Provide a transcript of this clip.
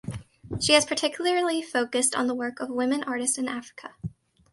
She has particularly focused on the work of women artists in Africa.